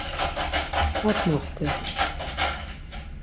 Mot moxti?